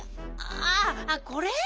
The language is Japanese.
ああこれ？